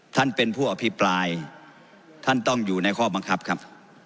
ท่านเป็นผู้อภิปรายท่านต้องอยู่ในข้อบังคับครับ